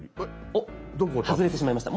おっ外れてしまいました。